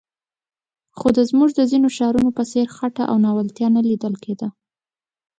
خو د زموږ د ځینو ښارونو په څېر خټه او ناولتیا نه لیدل کېده.